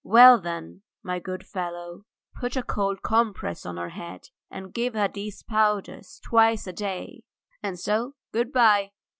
"Well, then, my good fellow, put a cold compress on her head, and give her these powders twice a day, and so good bye.